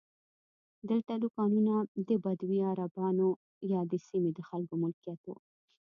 دلته دوکانونه د بدوي عربانو یا د سیمې د خلکو ملکیت وو.